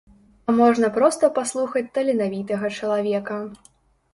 А можна проста паслухаць таленавітага чалавека.